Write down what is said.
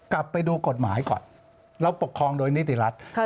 กลับไปดูกฎหมายก่อนเราปกครองโดยนิติรัฐ